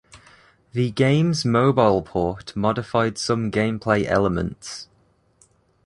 The game's mobile port modified some gameplay elements.